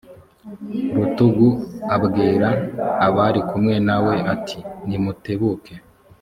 rutugu abwira abari kumwe na we ati nimutebuke